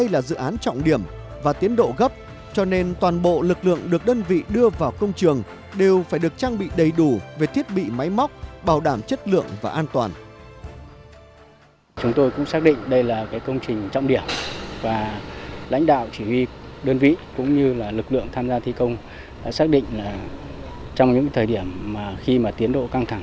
lực lượng được đơn vị đưa vào công trường đều phải được trang bị đầy đủ về thiết bị máy móc bảo đảm chất lượng và an toàn